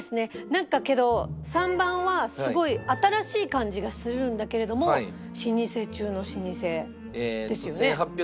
なんかけど３番はすごい新しい感じがするんだけれども老舗中の老舗ですよね？